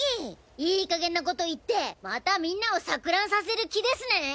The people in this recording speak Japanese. いい加減なこと言ってまたみんなを錯乱させる気ですね！？